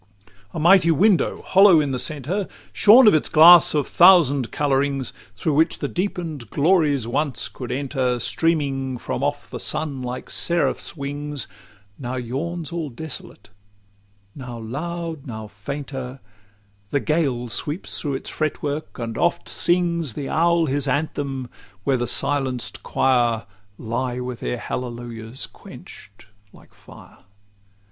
LXII A mighty window, hollow in the centre, Shorn of its glass of thousand colourings, Through which the deepen'd glories once could enter, Streaming from off the sun like seraph's wings, Now yawns all desolate: now loud, now fainter, The gale sweeps through its fretwork, and oft sings The owl his anthem, where the silenced quire Lie with their hallelujahs quench'd like fire.